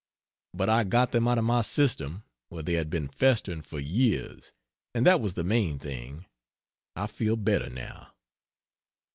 But I got them out of my system, where they had been festering for years and that was the main thing. I feel better, now.